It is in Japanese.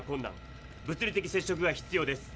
物理的接触が必要です。